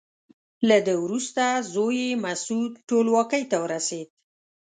له ده وروسته زوی یې مسعود ټولواکۍ ته ورسېد.